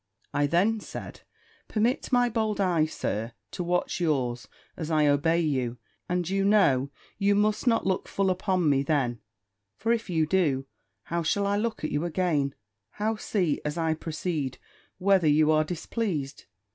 I then said, "Permit my bold eye, Sir, to watch yours, as I obey you; and you know you must not look full upon me then; for if you do, how shall I look at you again; how see, as I proceed, whether you are displeased?